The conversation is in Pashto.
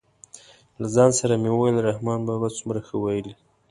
له ځان سره مې ویل رحمان بابا څومره ښه ویلي.